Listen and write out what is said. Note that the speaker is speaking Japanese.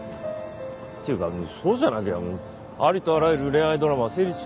っていうかそうじゃなきゃありとあらゆる恋愛ドラマは成立しないだろう。